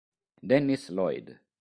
Dennis Lloyd